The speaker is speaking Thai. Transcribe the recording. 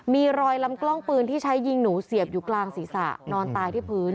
มีรอยลำกล้องปืนที่ใช้ยิงหนูเสียบอยู่กลางศีรษะนอนตายที่พื้น